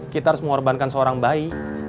kita harus mengorbankan seorang bayi